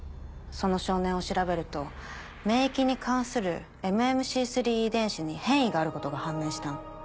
その少年を調べると免疫に関するＭＭＣ３遺伝子に変異があることが判明したの。